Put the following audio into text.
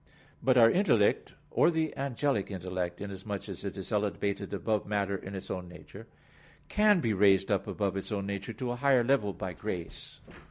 But our intellect, or the angelic intellect, inasmuch as it is elevated above matter in its own nature, can be raised up above its own nature to a higher level by grace.